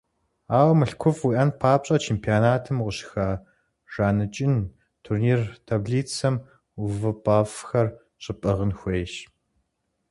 Ауэ мылъкуфӀ уиӀэн папщӀэ, чемпионатым укъыщыхэжаныкӀын, турнир таблицэм увыпӀэфӀхэр щыпӀыгъын хуейщ.